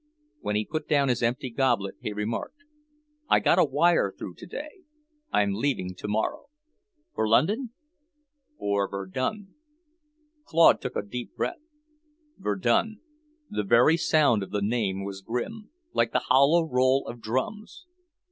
When he put down his empty goblet he remarked, "I got a wire through today; I'm leaving tomorrow." "For London?" "For Verdun." Claude took a quick breath. Verdun... the very sound of the name was grim, like the hollow roll of drums.